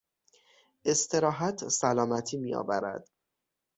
استراحت سلامتی میآورد.